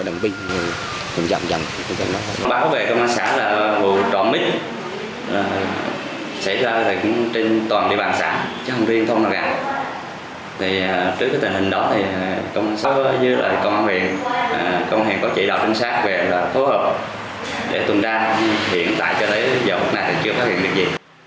để tuần đa hiện tại cho đến giờ hôm nay chưa phát hiện được gì